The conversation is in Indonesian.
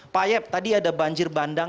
pak yep tadi ada banjir bandang